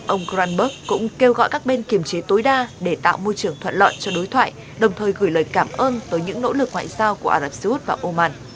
ông granberg cũng kêu gọi các bên kiềm chế tối đa để tạo môi trường thuận lợi cho đối thoại đồng thời gửi lời cảm ơn tới những nỗ lực ngoại giao của ả rập xê út và oman